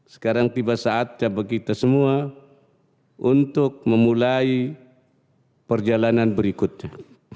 sekarang tiba saatnya bagi kita semua untuk memulai perjalanan berikutnya